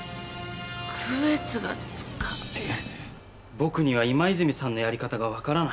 僕には今泉さんのやり方が分からない。